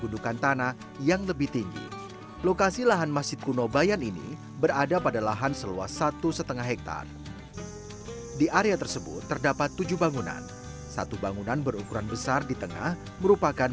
dan sekarang kita akan masuk dan kita akan dibantu oleh petugas untuk menggunakan kain sarung yang akan kita gunakan